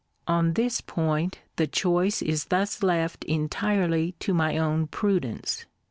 On this point the choice is thus left entirely to my own prudence.